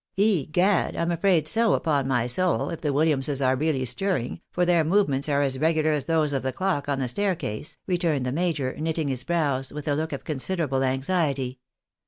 " Egad ! I am afraid so, upon my soul, if the Williamses are really stirring, for their movements are as regular as those of *he clock on the staircase," returned the major, knitting his brows wl'.h a look of considerable anxiety.